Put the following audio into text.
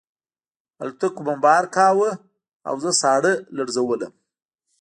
الوتکو بمبار کاوه او زه ساړه لړزولم